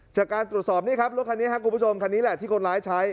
จากการตรวจสอบนี่ครับรถคันนี้ครับคุณผู้ชมคันนี้แหละที่คนร้ายใช้